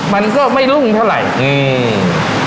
มันก็ไม่รุ่งเท่าไหร่อืม